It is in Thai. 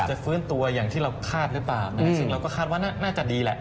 จะฟื้นตัวอย่างที่เราคาดได้ป่าวนะครับสิ่งเราก็คาดว่าน่าจะดีแหละ